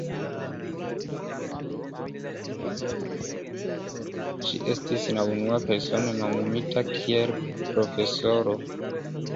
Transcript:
Ŝi estis la unua persono nomumita kiel profesoro.